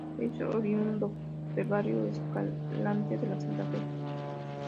Es oriundo del Barrio Escalante de la Santa Fe.